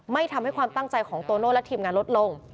ทำให้ความตั้งใจของโตโน่และทีมงานลดลง